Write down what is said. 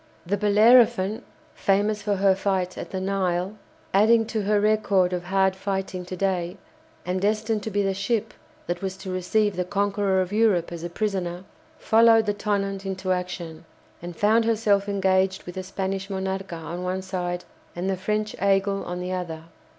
The "Bellerophon" (famous for her fight at the Nile, adding to her record of hard fighting to day, and destined to be the ship that was to receive the conqueror of Europe as a prisoner) followed the "Tonnant" into action, and found herself engaged with the Spanish "Monarca" on one side, and the French "Aigle" on the other.